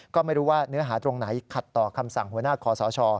ก็ไม่รู้ว่าเนื้อหาตรงไหนขัดต่อคำสั่งหัวหน้าคอสช